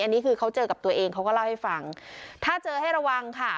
อันนี้คือเขาเจอกับตัวเองเขาก็เล่าให้ฟังถ้าเจอให้ระวังค่ะ